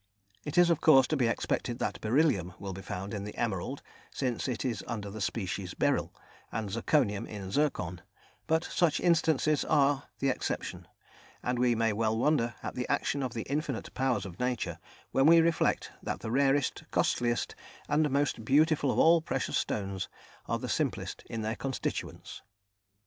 It is, of course, to be expected that beryllium will be found in the emerald, since it is under the species beryl, and zirconium in zircon; but such instances are the exception, and we may well wonder at the actions of the infinite powers of nature, when we reflect that the rarest, costliest and most beautiful of all precious stones are the simplest in their constituents.